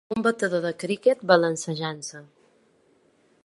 Un batedor de criquet balancejant-se